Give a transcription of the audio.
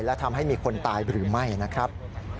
และทำให้มีคนตายหรือไม่นะครับ